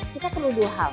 kita perlu dua hal